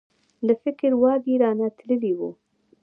د فکر واګي رانه تللي وو.